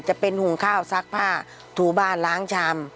จะเป็นหุงข้าวซักผ้าถูบ้านล้างชาม